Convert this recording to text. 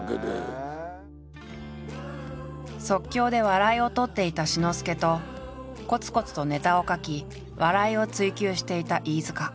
即興で笑いを取っていた志の輔とコツコツとネタを書き笑いを追求していた飯塚。